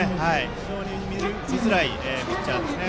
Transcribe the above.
非常に見づらいピッチャーですね。